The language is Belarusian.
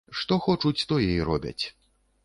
Што хочуць, тое і робяць.